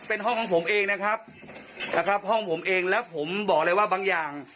เป็นห้องของผมเองนะครับนะครับห้องผมเองแล้วผมบอกเลยว่าบางอย่าง